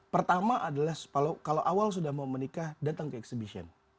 pertama adalah kalau awal sudah mau menikah datang ke exhibition